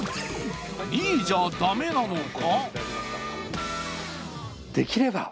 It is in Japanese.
２位じゃダメなのか？